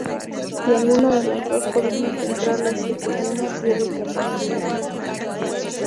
Si alguna de las dos columnas centrales se te llena, pierdes la partida.